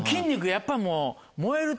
やっぱりもう。